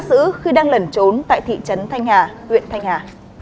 các sứ khi đang lẩn trốn tại thị trấn thanh hà huyện thanh hà